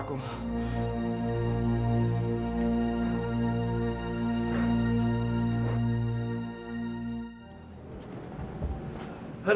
aku juga anak pejabat